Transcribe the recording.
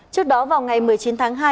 trước đó vào ngày một mươi chín tháng hai